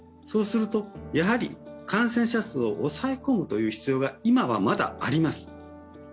そうすると、やはり感染者数を抑え込む必要が今はまだあります。